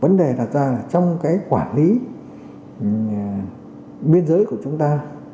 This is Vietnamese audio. vấn đề đặt ra là trong cái quản lý biên giới của chúng ta